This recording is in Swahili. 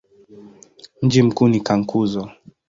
Mji mkuu ni Cankuzo.